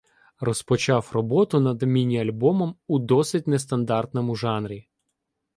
розпочав роботу над міні-альбомом у досить нестандартному жанрі